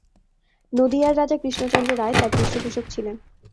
নদিয়ার রাজা কৃষ্ণচন্দ্র রায় তার পৃষ্ঠপোষক ছিলেন।